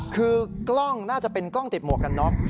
คือกล้องน่าจะเป็นกล้องติดหมวกกันน็อก